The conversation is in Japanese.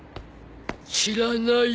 知らない。